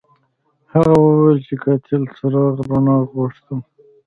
هغه وویل چې قاتل د څراغ رڼا غوښته.